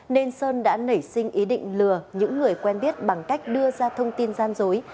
nên sơn đã nảy sinh ý định lừa những người quen biết bằng cách đưa ra thông tin gian dối